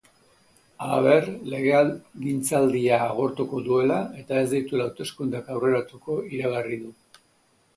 Halaber, legegintzaldia agortuko duela eta ez dituela hauteskundeak aurreratuko iragarri du.